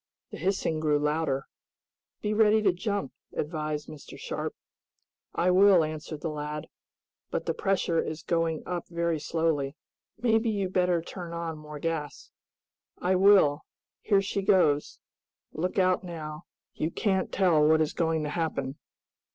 The hissing grew louder. "Be ready to jump," advised Mr. Sharp. "I will," answered the lad. "But the pressure is going up very slowly. Maybe you'd better turn on more gas." "I will. Here she goes! Look out now. You can't tell what is going to happen."